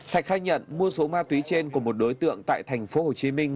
thạch khai nhận mua số ma túy trên của một đối tượng tại thành phố hồ chí minh